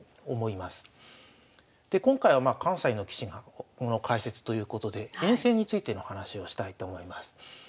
で今回はまあ関西の棋士の解説ということで遠征についての話をしたいと思います。